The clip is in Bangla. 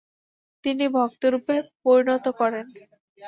তিনি ভক্তেরূপে পরিণত করেন।